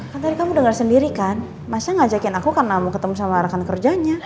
kan tadi kamu dengar sendiri kan masa ngajakin aku karena mau ketemu sama rekan kerjanya